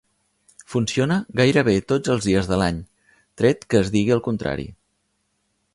Funciona gairebé tots els dies de l'any, tret que es digui el contrari.